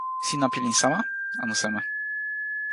sina pilin sama anu seme?